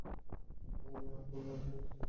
কখনো না কখনো ছেড়ে যাবে।